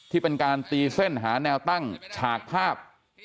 ที่เป็นการตีเส้นหาแนวตั้งฉากภาพ